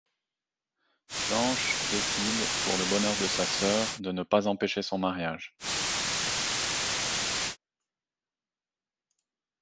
Blanche décide, pour le bonheur de sa sœur, de ne pas empêcher son mariage.